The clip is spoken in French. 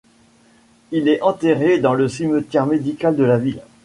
Il est enterré dans le cimetière médical de la ville.